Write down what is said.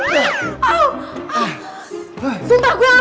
ya gue udah gak tahan